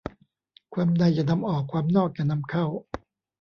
ความในอย่านำออก ความนอกอย่านำเข้า